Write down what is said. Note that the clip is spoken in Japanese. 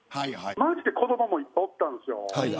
マジで子どももいっぱいおったんですよ。